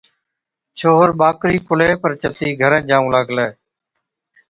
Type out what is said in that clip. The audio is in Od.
ڇوهر ٻاڪرِي ڪُلهي پر چتِي گھرين جائُون لاگلي،